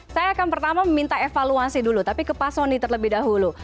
saya akan pertama meminta evaluasi dulu tapi ke pak soni terlebih dahulu